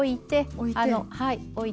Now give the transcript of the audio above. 置いて。